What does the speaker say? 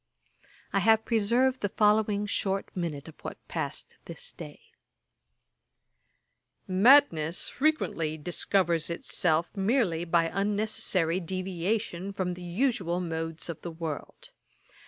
I have preserved the following short minute of what passed this day: 'Madness frequently discovers itself merely by unnecessary deviation from the usual modes of the world.